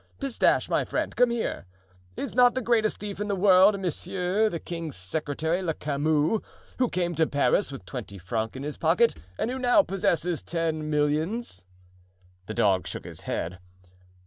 Pistache, my friend, come here. Is not the greatest thief in the world, Monsieur (the king's secretary) Le Camus, who came to Paris with twenty francs in his pocket and who now possesses ten millions?" The dog shook his head.